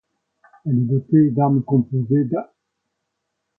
Elle est dotée d'armes composées d'.